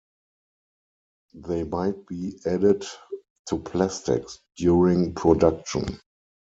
They might be added to plastics during production.